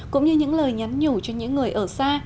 cũng như những lời nhắn nhủ cho những người ở xa